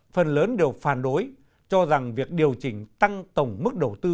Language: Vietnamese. phần lớn đều phản đối cho rằng việc điều chỉnh tăng tổng mức đầu tư